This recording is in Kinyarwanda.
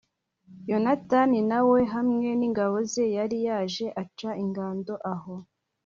yonatani na we hamwe n'ingabo ze, yari yaje aca ingando aho